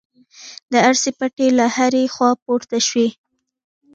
د ارسي پټې له هرې خوا پورته شوې.